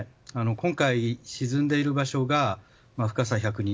今回、沈んでいる場所が深さ１２０ｍ